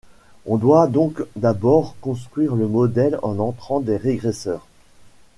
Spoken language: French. On doit donc d'abord construire le modèle en entrant des régresseurs.